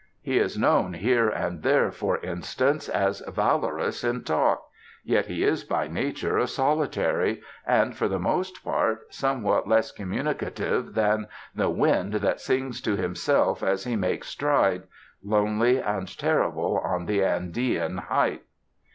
He is known here and there, for instance, as valorous in talk; yet he is by nature a solitary, and, for the most part, somewhat less communicative than "The wind that sings to himself as he makes stride, Lonely and terrible, on the Andean height."